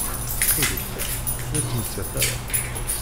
Ttxil-k ur ttmettat ara.